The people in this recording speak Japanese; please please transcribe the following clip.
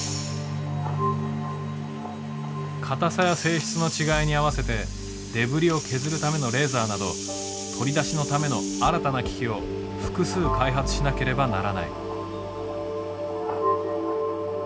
硬さや性質の違いに合わせてデブリを削るためのレーザーなど取り出しのための新たな機器を複数開発しなければならない。